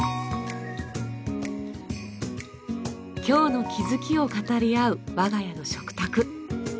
今日の気づきを語り合う我が家の食卓。